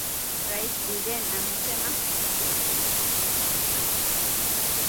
Rais Biden amesema